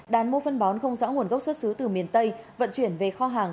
đàn mua phân bón không rõ nguồn gốc xuất xứ từ miền tây vận chuyển về kho hàng